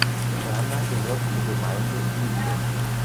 Cerna gehört zur Gemeinde Liebling.